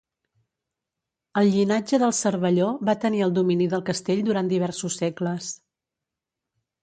El llinatge dels Cervelló va tenir el domini del castell durant diversos segles.